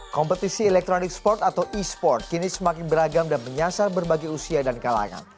kompetisi elektronik sport atau e sport kini semakin beragam dan menyasar berbagai usia dan kalangan